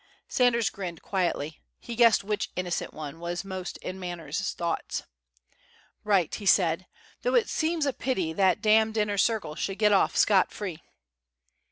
Sanders grinned quietly. He guessed which innocent one was most in Manners' thoughts! "Right!" he said. "Though it seems a pity that d d Inner Circle should get off scot free."